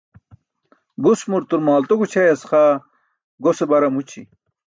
Gusmur turmaalto gućʰayas xaa gose bar amući